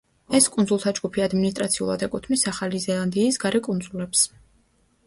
ეს კუნძულთა ჯგუფი ადმინისტრაციულად ეკუთვნის ახალი ზელანდიის გარე კუნძულებს.